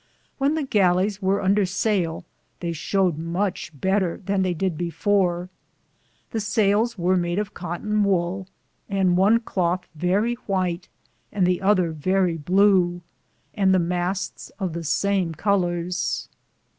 When the gallis weare under saile they showed muche better than theye did before. The sailes weare made of cotten woll, and one clothe verrie whyte, and another verrie blewe, and the masts of the sam colores.